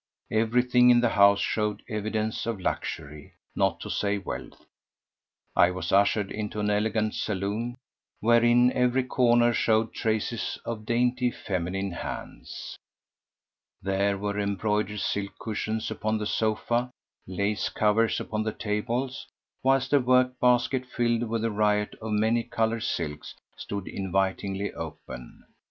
Everything in the house showed evidences of luxury, not to say wealth. I was ushered into an elegant salon wherein every corner showed traces of dainty feminine hands. There were embroidered silk cushions upon the sofa, lace covers upon the tables, whilst a work basket, filled with a riot of many coloured silks, stood invitingly open.